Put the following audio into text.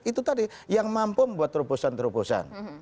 itu tadi yang mampu membuat terobosan terobosan